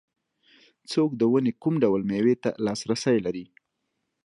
څوک د ونې کوم ډول مېوې ته لاسرسی لري.